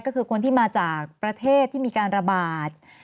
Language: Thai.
ก็คือคนที่มาจากประเทศที่มีการระบาด